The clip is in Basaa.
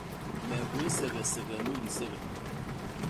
Me gwéé segesege nu lisege.